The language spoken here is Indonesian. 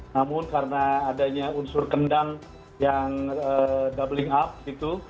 namun karena adanya unsur kendang yang doubling up gitu